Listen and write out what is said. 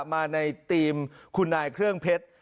มาในกินไฟมณ์คุณนายเครื่องเพชร